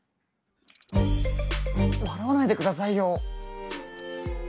笑わないで下さいよ！